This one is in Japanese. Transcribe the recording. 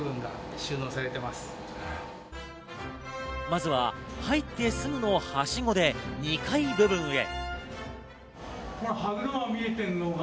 まずは入ってすぐのはしごで２階部分へ。